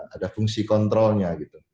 ada fungsi kontrolnya